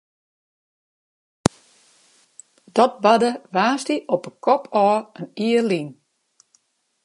Dat barde woansdei op 'e kop ôf in jier lyn.